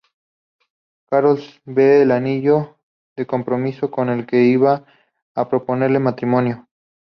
Carol ve el anillo de compromiso con el que iba a proponerle matrimonio.